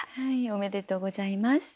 おめでとうございます。